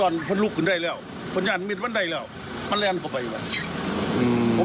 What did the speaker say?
มันลุกขึ้นได้แล้วคนยานมีดมันได้แล้วมันเรียนเข้าไปอีกแบบ